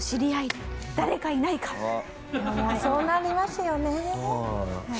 そうなりますよね。